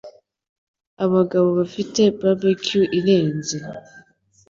Abagabo bafite barbecue irenze